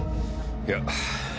いや。